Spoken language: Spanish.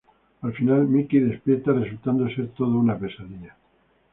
Al final, Mickey despierta, resultando ser todo una pesadilla.